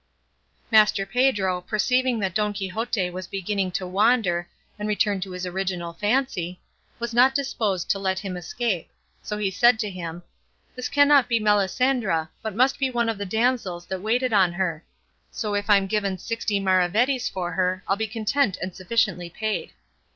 Master Pedro, perceiving that Don Quixote was beginning to wander, and return to his original fancy, was not disposed to let him escape, so he said to him, "This cannot be Melisendra, but must be one of the damsels that waited on her; so if I'm given sixty maravedis for her, I'll be content and sufficiently paid."